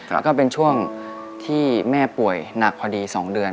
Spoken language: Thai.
แล้วก็เป็นช่วงที่แม่ป่วยหนักพอดี๒เดือน